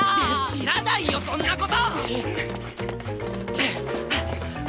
知らないよそんな事！